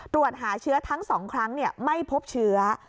ตรวจหาเชื้อทั้ง๒ครั้งไม่พบเชื้อ